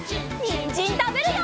にんじんたべるよ！